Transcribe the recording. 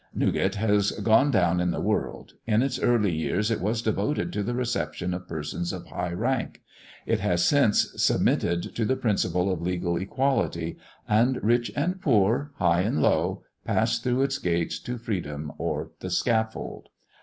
Newgate has gone down in the world. In its early years it was devoted to the reception of persons of high rank; it has since submitted to the principle of legal equality, and rich and poor, high and low, pass through its gates to freedom or the scaffold.